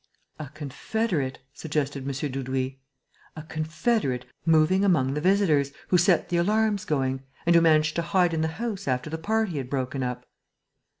"A confederate," suggested M. Dudouis. "A confederate, moving among the visitors, who set the alarms going ... and who managed to hide in the house after the party had broken up."